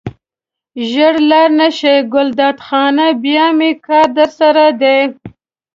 ژر لاړ نه شې ګلداد خانه بیا مې کار درسره دی.